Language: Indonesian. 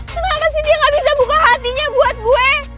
kenapa sih dia gak bisa buka hatinya buat gue